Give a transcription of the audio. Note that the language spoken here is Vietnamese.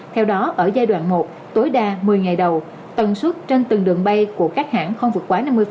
theo đó ở giai đoạn một tối đa một mươi ngày đầu tần suất trên từng đường bay của các hãng không vượt quá năm mươi